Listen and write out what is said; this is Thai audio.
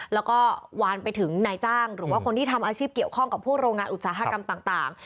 แล้วก็วานไปถึงนายจ้างหรือว่าคนที่ทำอาชีพเกี่ยวข้องกับพวกโรงงานอุตสาหกรรมต่าง